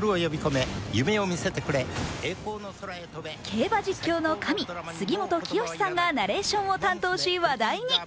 競馬実況の神、杉本清さんがナレーションを担当し、話題に。